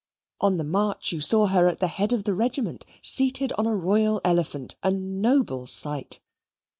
On the march you saw her at the head of the regiment seated on a royal elephant, a noble sight.